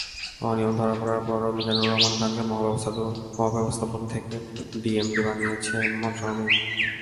অনিয়ম ধরা পড়ার পরও মিজানুর রহমান খানকে মহাব্যবস্থাপক থেকে ডিএমডি বানিয়েছে মন্ত্রণালয়।